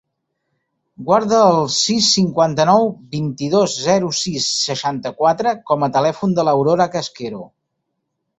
Guarda el sis, cinquanta-nou, vint-i-dos, zero, sis, seixanta-quatre com a telèfon de l'Aurora Casquero.